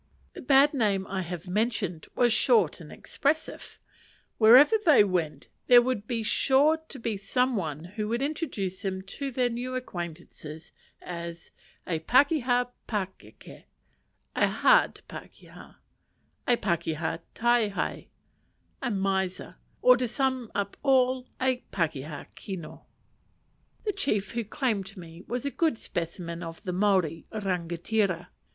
The bad name I have mentioned was short and expressive: wherever they went, there would be sure to be some one who would introduce them to their new acquaintances as "a pakeha pakeke," a hard pakeha; "a pakeha taehae" a miser; or, to sum up all, "a pakeha kino." The chief who claimed me was a good specimen of the Maori rangatira.